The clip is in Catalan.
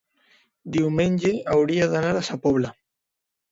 Diumenge hauria d'anar a Sa Pobla.